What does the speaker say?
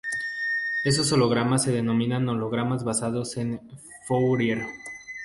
Estos hologramas se denominan "hologramas basados en Fourier".